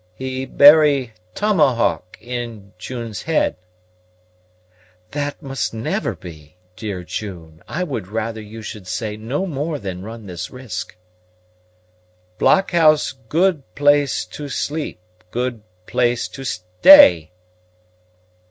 "He bury tomahawk in June's head." "That must never be, dear June; I would rather you should say no more than run this risk." "Blockhouse good place to sleep, good place to stay."